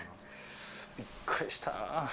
びっくりした。